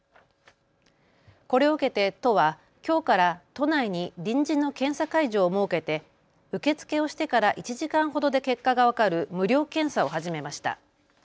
これを受けて都はきょうから都内に臨時の検査会場を設けて受け付けをしてから１時間ほどで結果が分かる無料検査を始めました。